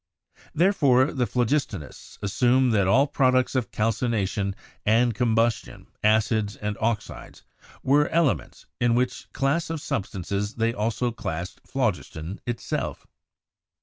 Therefore, the phlogis tonists assumed that all products of calcination and com bustion (acids and oxides) were elements, in which class of substances they also classed phlogiston itself.